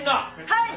はい。